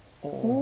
お。